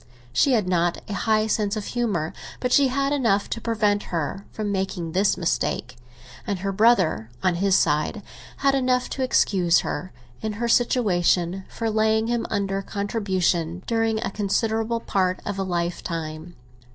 She had not a high sense of humour, but she had enough to prevent her from making this mistake; and her brother, on his side, had enough to excuse her, in her situation, for laying him under contribution during a considerable part of a lifetime.